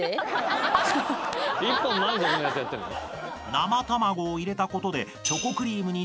［生卵を入れたことで］